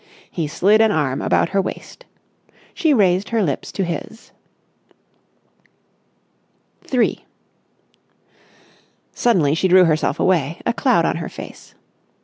He slid an arm about her waist. She raised her lips to his. § 3 Suddenly she drew herself away, a cloud on her face.